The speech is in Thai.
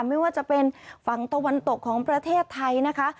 ไม่ว่าจะเป็นฝั่งตะวันตกของประเทศไทยนะคะ